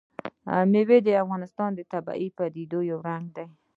مېوې د افغانستان د طبیعي پدیدو یو رنګ دی.